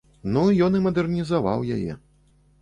Ну, ён і мадэрнізаваў яе.